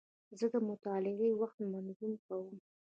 زه د مطالعې وخت منظم کوم.